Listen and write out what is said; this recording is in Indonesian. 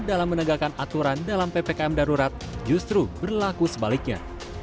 dalam menegakkan aturan dalam ppkm darurat justru berlaku sebaliknya